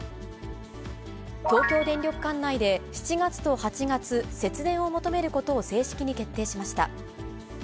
東京電力管内で７月と８月、節電を求めることを正式に決定しました。